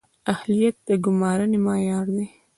اهلیت د ګمارنې معیار دی